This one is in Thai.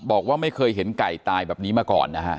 บอกว่าไม่เคยเห็นไก่ตายแบบนี้มาก่อนนะฮะ